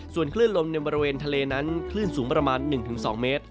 ส่วนคลื่นลมในบริเวณทะเลนั้นคลื่นสูงประมาณ๑๒เมตร